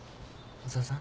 小沢さん。